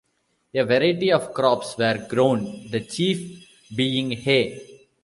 A variety of crops were grown, the chief being hay.